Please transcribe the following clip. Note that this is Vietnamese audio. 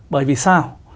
bởi vì sao